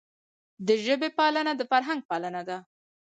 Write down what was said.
د ژبي پالنه د فرهنګ پالنه ده.